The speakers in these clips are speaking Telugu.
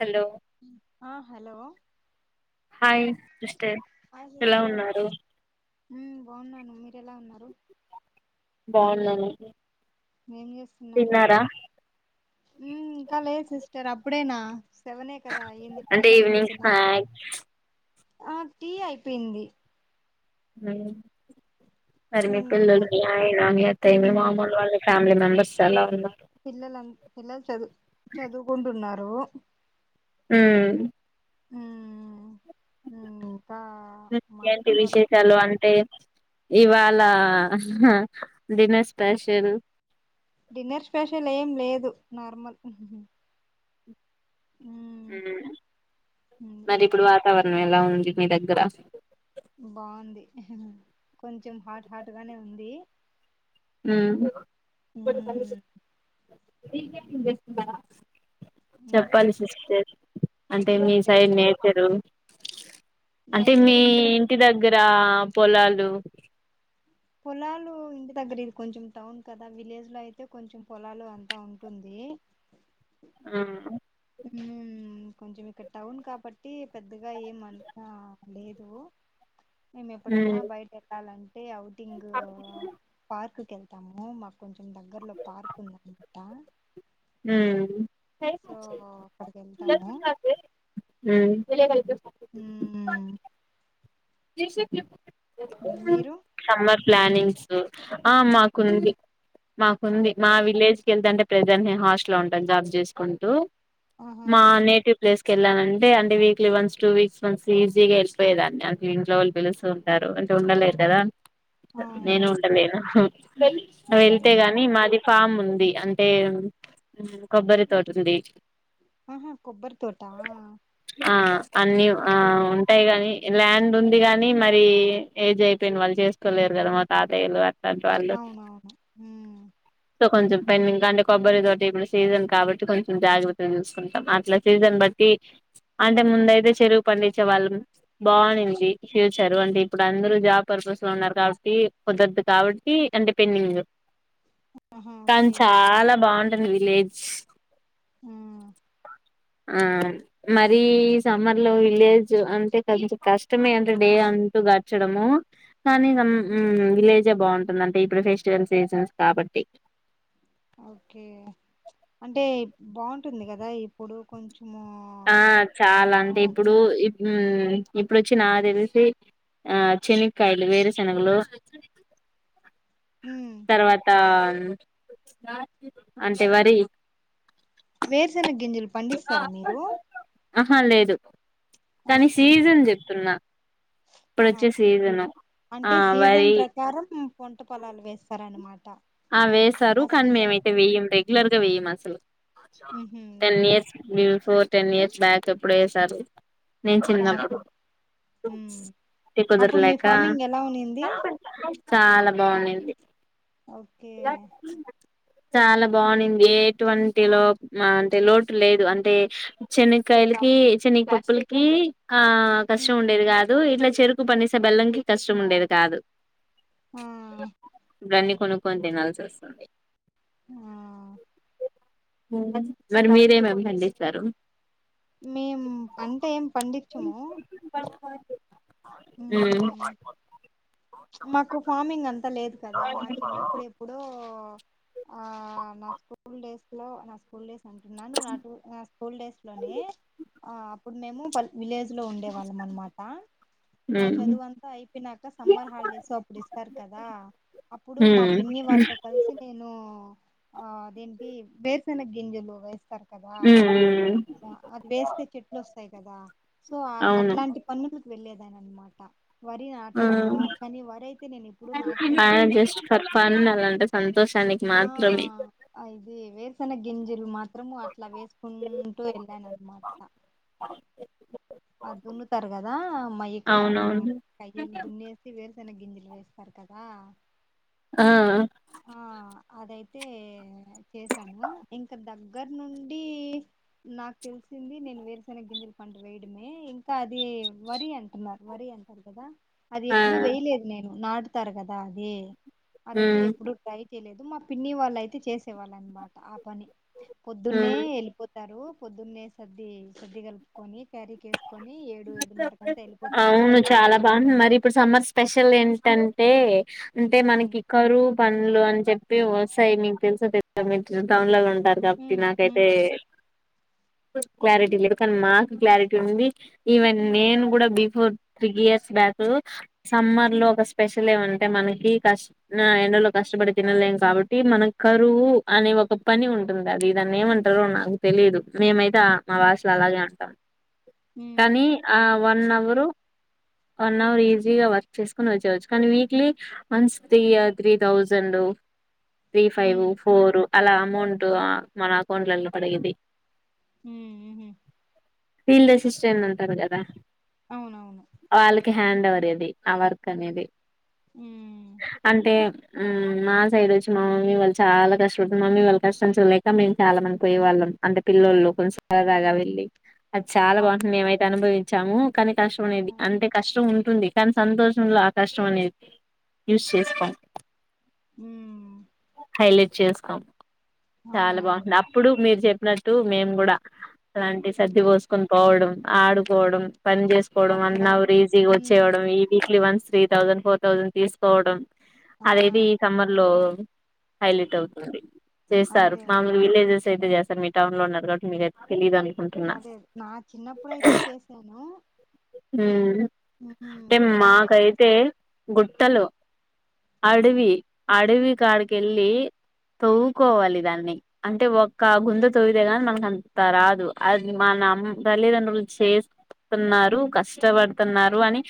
హలో ఆ హలో హాయ్ సిస్టర్ ఎలా ఉన్నారు మ్ బాగున్నాను మీరూ ఎలా ఉన్నారు బౌన్నను ఏం చేస్తున్నారు మ్ ఇంకా లేదు సిస్టర్ అప్పుడేనా సెవనే కదా అయ్యంది అంటే టైం ఉంది ఈవినింగ్ కదా స్నాక్ ఆ టీ అయిపోయింది మరిమీ పిల్లలు ఉమ్ మీ ఆయన మీ అత్య మీ ఉమ్ మామూలు వాళ్ళ ఫమి మెంబెర్స్ చాలా ఉనారు పిల్లల పిల్లలు చదువు చదువుకుంటున్నారు ఉమ్ ఉమ్ మ్ ఏంటి విశేషాలు అంటే ఇవాళ డిన్నర్ స్పెషల్ డిన్నర్ స్పెషల్ ఏం లేదు నార్మల్ ఉమ్ మ్మ్ మరి ఇప్పుడు వాతావరణం ఎలా ఉంది మీ దగ్గర బాగుంది కొంచెం హాట్ హాట్ గానే ఉంది ఉమ్మ్ ఉమ్ ఇంకా చెప్పాలి సిస్టర్ అంటే మీ ఇంకే సైడ్ నేచర్రు అంటే మీ నేచర్ ఇక్కడ ఇంటి దగ్గర పొలాలు పొలాలు ఇంటి దగ్గర ఇది కొంచెం టౌన్ కదా విలేజ్ లో అయితే కొంచెం పొలాలు అంతా ఉంటుంది ఆ ఉ కొంచం ఇక్కడ్ టౌన్ కాబట్టి పెద్దగా ఏం అంత లేదు మేము ఎప్పుడన్నా సమ్మర్ బయటికి వెళ్లాలంటే ఔటింగ్ పార్క్కి ఎళ్తాము మాకు కొంచెం దగ్గరలో పార్క్ ఉందండి సో అక్కడికి ఉమ్మ్ వెళ్తాము ఉమ్మ్ మ్ మీరు సమ్మర్ ఆ మాకుంది ఆ, మాకుంది మా విలేజ్ ఎళ్రాంటే ప్రెసెంట్ నేన్ హాస్టలో ఉంటాను జాబ్ చేసుకుంటూ ఆహా మా నేటివ్ ప్లేస్ కెళ్ళానంటే అంటే weekly once two weeks once ఈజీగా వెళ్ళిపోయేదాన్ని ఇంట్లో ఓళ్ళు పిలుస్తూ ఉంటారు అంటే ఉండలేర్ కదా ఆ, నేను ఆ, ఉండలేను వెళ్తే ఉమ్, గాని మాది ఫామ్ ఉంది అంటే కొబ్బరి తోట ఉంది ఆహా కొబ్బరి తోట ఆ అన్ని ఆ ఓకే ఉంటాయి గాని ల్యాండ్ ఉంది గానీ మరి ఏజ్ అయిపోయిన వాళ్ళు చేసుకోలేరు కదా మా తాతయ్యలు అట్ అవునవును మ్ సో కొంచెం పె ఇంగ అంటే కొబ్బరితోటి ఇప్పుడు సీజన్ కాబట్టి కొంచెం జాగ్రత్తగా చూసుకుంటాం అట్లా సీజన్ బట్టి అంటే ముందుయితే చెరుగ్ పండించే వాళ్ళం బానింది. ఫ్యూచర్ అంటే ఇప్పుడు అందరు జాబ్పరస్ లో ఉన్నారు కాబట్టి కుదదు కాబట్టి అంటే పెండింగ్ ఆహా కానీ ఓకే చాలా బాగుంటది విలేజ్ ఆహ్ ఆ మరి సమ్మర్లో విలేజ్ అంటే కొంచెం కష్టం అంటే డే అంటూ గచడము కానీ ము ము విలేజే బావుంటుంది అంటే ఇప్పుడు ఫెస్టి సన్సేస్ కాబట్టి ఓకే అంటే బావుంటుందిగదా ఇప్పుడూ కొంచెము ఆ చాలా అంటే ఆ ఇప్పుడు ఇప్న్ ఇప్పుడోచ్చి నాకు తెల్సి ఆ చెనిక్కాయలు, వేరూశనగలు మ్మ్ తర్వాతా అంటే వరి వేరుశనగింజలు పండిస్తారా మీరు? ఆహా లేదు కానీ సీజన్ జెప్తున్నా ఆ ఓకే ఆ అంటే సీజన్ వరి ప్రకారం పోంట పొలాలు వేస్తారన్నమాట. ఆ వేశారు కానీ మేమైతే వేయం రెగ్యులర్గా వేయమసలు మ్మ్ హ్మ్ okay ten years before ten years back ఎప్పుడేసారు. నేను చిన్నప్పుడు ఫార్మింగ్ మ్మ్ అప్పుడు మీ కుదరలేకా ఫార్మింగ్ ఎలా ఉనింది చాలా బావుంనింది ఓకే చాలా బావుంనిదే ఎ టోంటిలో అంటే లోటు లేదు అంటే చెన కైలకి చేనకప్పుల్కీ ఆ మ్మ్ కష్టముండేది కాదు ఇట్లా చెరుకు పనిస బెల్లం కి కష్టం ఉండేది కాదు. ఆహ్ ఇవన్ని కొనుక్కొని తినాల్సోస్తుంది. ఆ మరి మీరేంమేంపండిస్తారు? మేము పంటేం పండించము. మ్మ్ మ్ మాకు ఫార్మింగ్ గంతా లేదు కదా నా చిన్నప్పుడేప్పుడో ఆ నా స్కూల్ డేస్లో నా స్కూల్ డేస్ అంటున్నాను నా నా స్కూల్ డేస్లోనే ఆ అప్పుడు మేము పల్ విలేజ్లో ఉండే వాళ్ళమన్మాట. నా ఉమ్ చదువు అంతా అయిపోయినాక సమ్మర్ హాలి సు అప్పుడు ఇస్తారు కదా అప్పుడు మా పిన్నివాళ్ళతో కలిసి నేను ఆ అదేంటి వేర్సెన గింజలు వేస్తారు. కదా ఉమ్ ఉమ్ అది వేస్తే చెట్లోస్తాయి కదా సో అవును అట్లాంటి పన్నులు వెళ్ళలేదాని అనమాట వరి ఆ నాటడము వరైతే నేనేప్పుడు నాటలేదు ఆయన కానీ జస్ట్ ఫర్ ఫన్ అలాంటే సంతోషానికి ఆ మాత్రమే ఆ ఇది వేరుసన్న గింజలు మాత్రము అట్లా వేస్కుంటూ వెళ్ళానన్మాట. ఆ దున్నుతారు కదా మయ్యిక మ్ అవునవును కయ్యళ దున్నేసి వేరు శేనగింజలు వేస్తారు కదా ఆహ్ ఆ అదైతే చేశాను ఇంకా దగ్గర్నుండి నాకు తెలిసింది నేను వేరుసనగింజ పండు వే ఇంకా అది వరి అంటున్నారు వరి అంటారు కదా ఆ అదేప్పుడూ వేయలేదు నేను నాటుతారు కదా అదీ అదైతే ఉమ్ ఎప్పుడు ట్ర చేయలేదు మా పిన్ని వాళ్ళైతే చేసేవాళ్ళ అనమాట ఆ పని పొద్దున్నే ఉమ్ ఏళ్ళిపో తారు పొద్దున్నే సద్ది సద్ది కాల్పుకుని క్యారీకె ఔను అనమాట చాలా బాగుంది మరిప్పుడు సమ్మర్ స్పెషల్ ఏంటం అంటే అంటే అవును మన్కి కరువు పన్లు అని చెప్ప అంటే వస్తాయి మీకు తెల్సతె మీ టౌన్లో ఉంటారు కాబట్టి ఉమ్ నాకైతే ఉమ్ క్లారిటీ లేదు కానీ మాకు క్లారిటీ ఉంది. ఈవెన్ నేను గుడా before three years back summer లో ఒక స్పెషల్ ఏవన్నా అంటే మనకి కష్ట ఎండలో కష్టపడి తినలేం కాబట్టి మనక్ కరువు అనే ఒక పని ఉంటుంద అది ఇ దాన్ని ఏమంటారొ నాకు తెలిదు మేమైత్ ఆ మా వాయిస్స్ అలాగే ఉంటాం ఉమ్ కానీ ఆ వన్ అవరు వన్ అవర్ ఈజీగా వర్క్ చేసుకొని వొచ్చేవచ్చు కానీ వీక్లీ మంత్స్ తి త్రీ థౌజండ్ ఉ త్రీ ఫైవ్ ఉమ్ ఫోర్ అలా అమౌంట్ ఉమ్ ఆ మన అకౌంట్లలో పడేది హు హు ఫీల్డ్ అసిస్టెంట్ అంటారు కదా అవునవును వాళ్ళకి హ్యాండ్ అవర్ ఎది ఆ వర్క్ అనేది హ్మ్ అంటే మ్ మా సైడ్ వచ్చి మా మమ్మీ వాళ్ళు చాలా కష్టపడుతుంది మామ్మీ వాళ్ళు కష్టం చులేక మేము చాలా మంది పోయే వాళ్ళం అంటే పిల్లోళ్ళు కొంచ సరదాగా వెళ్ళి అది చాలా అహా! బాగుంటుంది మెమైతే అనుభవించాము కానీ కష్టం అనేది అంతే కష్టం ఉ టుంది కానీ సంతోషంలో ఆ కష్టం అనేది యూస్ చేస్కోమ్ హ్మ్మ్ హైలైట్ చేస్తాం చాలా అవునవును బాగుంటుంది అప్పుడు మీరు చెప్పినట్టు మేము గుడా అలాంటి సద్ది అక్ పోసుకొని పోవడం ఆడుకోవడం పని చేసుకోవడం అక్కడ ఒనవర్ రిజీగా హ్మ్ వచ్చేయవడం ఈ weekly once three thousand four thousand తీసుకోవడం ఆ అదేది ఈ సమ్మర్ లో హైలైట్ అవుతుంది చేస్తారు అదే మామూలు విలేజెస్ అయితే చేస్తారు మీ టౌన్ లో ఉన్నరు కాబట్టి మీకైతే తెలీయదమీ అదే నా చిన్నప్పుడు అయితే చేసాను హ్మ్ అంటే మాకైతే గుట్టలు అడవి అడవి కాడికెళ్ళి తొవ్ కోవాలి దాన్ని అంటే ఒక గుంత తోవితే గాని మనకు అంత రాదు అది మన అమ్మ తల్లిదండ్రులు చేస్ న్నారు కష్టపడుతున్నారు అని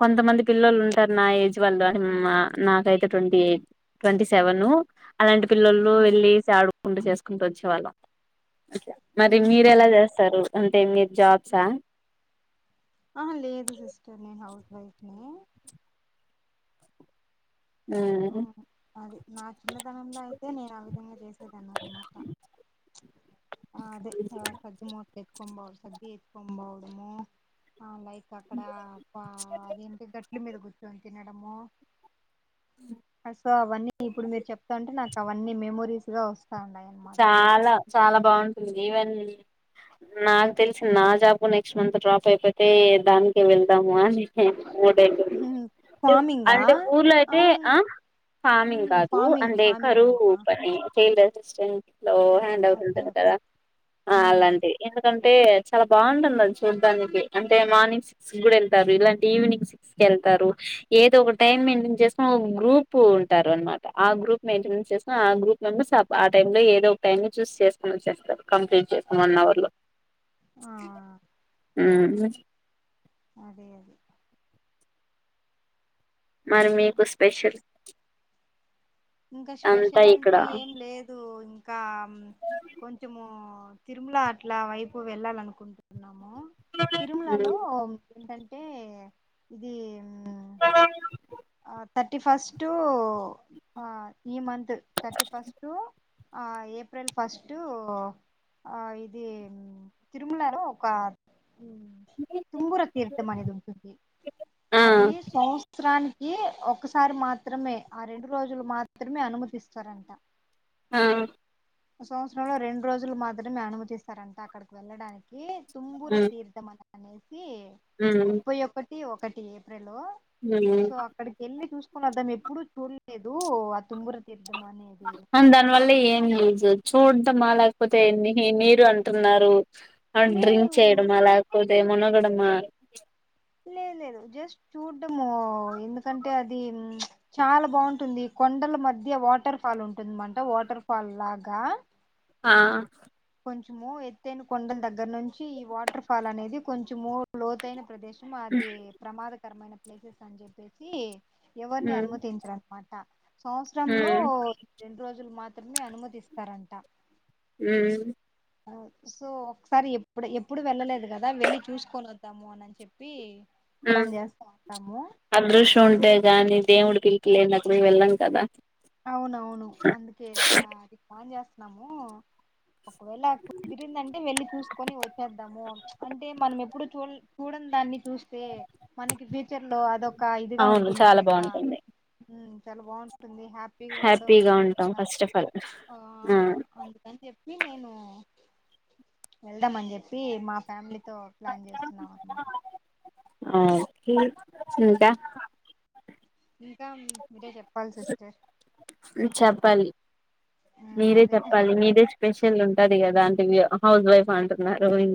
కొంతమంది పిల్లలు ఉంటారు నా ఏజ్ వాళ్ళు అని మా అ నాకైతే ట్వంటీ ఎయిట్ ట్వంటీ సెవెను అలాంటి పిల్లలో హ్మ్ వెళ్లి సెడుకుంటూ చేసుకుంటూ వొచ్చేవాళ్ళం మరి హ్మ్ మీరు హ్మ్ ఎలా చేస్తారు అంటే మీరు జాబ్స్ ఆ ఆహ లేదు సిస్టర్ నేను హౌస్ వైఫ్ నే ఆ అది నా చిన్నతనంలో అయితే నేను ఆ విధంగా చేస్ దాని అనమాట ఆ అదే పెద్ద ముట్ ఎత్తుకొని బోవ సద్ది ఎత్తుకొని బోవడము ఆ లైక్ అక్కడ పా అదేంటి గట్ల మీద కూర్చుని తినడము సో అవన్నీ ఇప్పుడు మీరు చెప్తాంటే నాకు అవన్నీ మెమరీస్ గా వొస్ స్తుండయ్ అనమాట చాలా చాలా బాగుంటుంది ఈవెన్ నాకు తెలిసి నా జాబు నెక్స్ట్ మంత్ డ్రాప్ అయిపోతే దానికె వెళ్దాము అని ఓటై ఉహుహు. [unintelligible] ఫార్మింగా అంటే ఊర్లో అయితే అవును ఆ ఫామింగ్ మ్మ్ కాదు ఫార్మింగ్ అందే ఫార్మింగ్ కరువు వైపా పని చేంజ్ జస్ట్ ఇంట్లో ఆహా హ్యాండ్ ఓకే అవుతుంటంది కదా ఓకే మ్మ్ అలాంటి ఎందుకం అంటే చాలా బాగుంటుంది అది చూడ్డానికి అంటే మార్నింగ్ సిక్స్ గుడా వెళ్తారు ఇలాంటి ఈవినింగ్ సిక్స్ కి వెల్ తారు ఏదో ఒక టైం మైంటైన్ చేసుకొని ఒక గ్రూప్ ఉంటారు అనమాట ఆ గ్రూప్ మైంటెనెస్ చేస్కొని ఆ గ్రూప్ మెంబర్స్ ఆ టైం లో ఏదో ఒక టైమ్ ని చూస్ చేసుకుని వచ్చేస్తారు కంప్లీట్ చేసుకుని వన్ అవర్ లో ఆ మ్ అదే అదే మరి మీకు స్పెషల్ ఇంకా అంతా స్పెషల్ అంటూ ఇక్కడ ఏం లేదు ఇంకా కొంచము తిరుమల అట్లా వైపు వెళ్ళాలనుకుంటున్నాము తిరుమలలో ఏంటం టే ఇది ఆ థర్టీ ఫస్టూ ఈ మంత్ థర్టీ ఫస్టూ ఆ ఏప్రిల్ ఫస్టూ ఆ ఇది తిరుమలాలో ఒక తుమ్ముర తీర్థ మనేదుంటుంది ఆ అది సంవత్సరాని కి ఒక్కసారి మాత్రమే ఆ రెండు రోజులు మాత్రమే అనుమతిస్తారంట ఆ సంవత్సరంలో రెండు రోజులు మాత్రమే అనుమతిస్తారంట అక్కడికెళ్ళడానికీ తుంబురతీర్థమననేసి ఉమ్ ముప్పై ఒకటి ఒకటి రెం లో సో అక్కడికెళ్ళి చూసుకొనొద్దాం ఎప్పుడుూ చూడలేదు ఆ తుంగుర తీర్ దానివల్ల ఏమ్ యూస్ చూడటమాలేకపోతే ని నిరు అంటున్నారు లే డ్రింక్ లేదు చేయడమా లేకపోతే మునగడమా లేదు లేదు జస్ట్ చూడ్డము ఎందుకంటే అది చాలా బాగుంటుంది కొండల మధ్య వాటర్ ఫాల్ ఉంటుందన్నమాట వాటర్ ఫాల్ లాగా ఆ కొంచము ఎతైన కొండల దగ్గర నుంచి ఈ వాటర్ ఫాల్ అనేది కొంచము లోతైన ప్రదేశం కొంచం అది ప్రమాదకరమైన ప్లేసెస్ అని చెప్పేసి ఎవరిని ఉమ్ అనుమతించరన్మాట సంవత్సరంలో ఉమ్ రెండు రోజులు మాత్ త్రమే అనుమతిస్తారంట మ్ సో ఒకసారి ఎప్పుడు ఎప్పుడు వెళ్ళలేదు కదా వెళ్లి చూసుకొని ఒద్దాము అని చెప్పి మ్ ప్లాన్ చేస్తా ఉంటాము అదృశ్యముంటే గానీ దేవుడు పిలుపు లేంది అటు వైపెళ్ళం కదా అవునవును అందుకే ఇక అ ది ప్లాన్ చేస్తున్నాము ఒకవేల కుదిరిందంటే వెళ్లి చూసుకొని వచ్చేద్దాము అంటే మనం ఎప్పుడు చూ చూడన్దాన్ని చూస్తే మనకి ఫ్యూచర్లో అదొక ఇదిగా అవును ఉంటుంది చాలా కదా బాగుంటుంది మ్ చాలా బాగుంటుంది హ్య పీ గా కూడా హ్యాపీగా ఉంటుంది ఉంటాం అ ఫస్ట్ ఆఫ్ ఆల్ ఆ అందుకని చెప్ ప్పి నేను వెళ్దామని చెప్పి మా ఫ్యామిలీ తో ప్లాన్ చేస్తున్నామన్నమాట ఆ ఒకే ఇంకా ఇంకా మీరే చెప్పాలి సిస్టర్ చెప్పాలి మీరే అదే చెప్పాలి మీరే స్పెషల్ ఉంటది కదా అంటే హౌస్ వైఫ్ అంటున్నారు ఇంకా